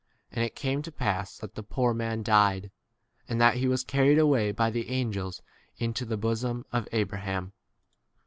22 And it came to pass that the poor man died, and that he was carried away by the angels into the bosom of Abraham.